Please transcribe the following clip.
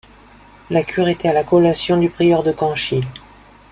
La cure était à la collation du prieur de Canchy.